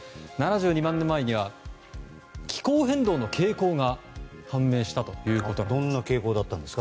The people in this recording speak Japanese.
７２万年前には気候変動の傾向が判明したということなんです。